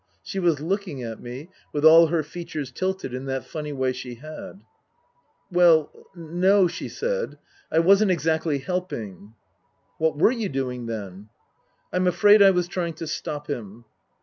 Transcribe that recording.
She was looking at me, with all her features tilted in that funny way she had. " Well no," she said ;" I wasn't exactly helping," " What were you doing, then ?" "I'm afraid I was trying to stop him."